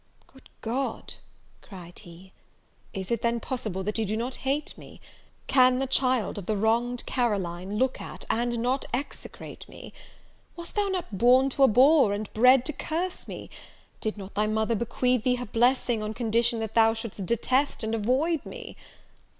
"Good God," cried he, "is it then possible that you do not hate me? Can the child of the wronged Caroline look at, and not execrate me? Wast thou not born to abhor, and bred to curse me? Did not thy mother bequeath thee her blessing on condition that thou should'st detest and avoid me